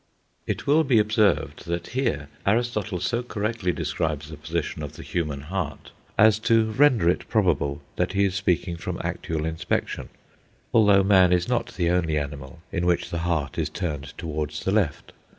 It will be observed that here Aristotle so correctly describes the position of the human heart as to render it probable that he is speaking from actual inspection; although man is not the only animal in which the heart is turned towards the left.